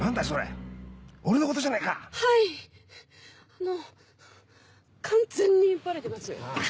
あの完全にバレてます。